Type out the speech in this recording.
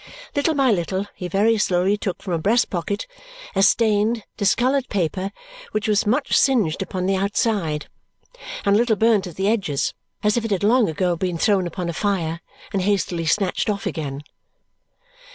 Little by little he very slowly took from a breast pocket a stained, discoloured paper which was much singed upon the outside and a little burnt at the edges, as if it had long ago been thrown upon a fire and hastily snatched off again.